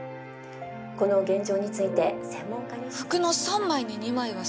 この現状について専門家に」。